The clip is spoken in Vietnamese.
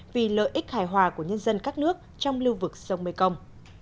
vì lợi ích hài hòa của nhân dân các nước trong lưu vực sông mekong